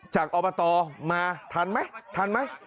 จากออกมาต่อมาทันไหมทันไหม